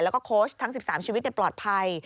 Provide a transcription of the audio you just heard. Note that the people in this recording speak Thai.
แล้วก็โค้ชทั้ง๑๓ชีวิตปลอดภัย